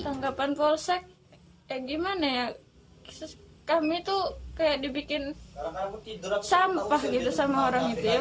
tanggapan polsek ya gimana ya kami tuh kayak dibikin sampah gitu sama orang itu ya